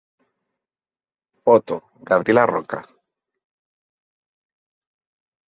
Photo: Gabriel Rocca.